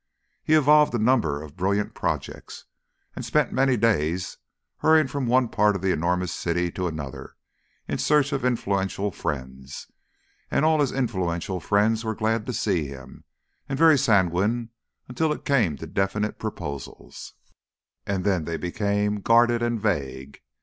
He evolved a number of brilliant projects, and spent many days hurrying from one part of the enormous city to another in search of influential friends; and all his influential friends were glad to see him, and very sanguine until it came to definite proposals, and then they became guarded and vague.